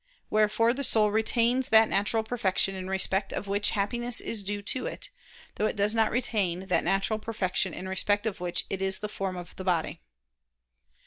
Wherefore the soul retains that natural perfection in respect of which happiness is due to it, though it does not retain that natural perfection in respect of which it is the form of the body.